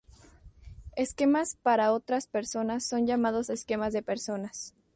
Esquemas para otras personas son llamados "esquemas de personas".